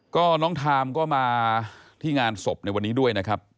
ก็น้องทามก็มาที่งานศพในวันนี้ด้วยนะครับ